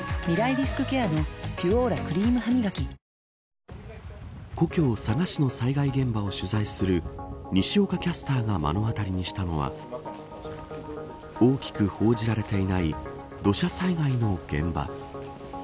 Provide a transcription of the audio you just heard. リスクケアの「ピュオーラ」クリームハミガキ故郷、佐賀市の災害現場を取材する西岡キャスターが目の当たりにしたのは大きく報じられていない土砂災害の現場。